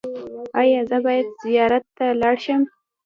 ایا زه باید زیارت ته لاړ شم؟